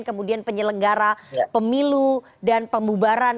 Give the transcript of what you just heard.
kemudian penyelenggara pemilu dan pembubaran